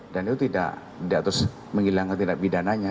dan itu tidak terus menghilangkan tidak bidananya